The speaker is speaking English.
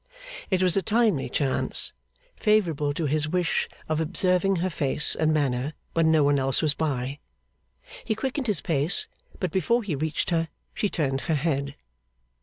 It was a timely chance, favourable to his wish of observing her face and manner when no one else was by. He quickened his pace; but before he reached her, she turned her head.